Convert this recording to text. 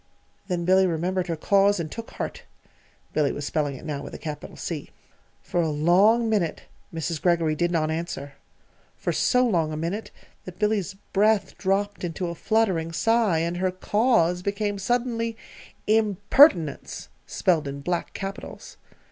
Then Billy remembered her Cause, and took heart Billy was spelling it now with a capital C. For a long minute Mrs. Greggory did not answer for so long a minute that Billy's breath dropped into a fluttering sigh, and her Cause became suddenly "IMPERTINENCE" spelled in black capitals.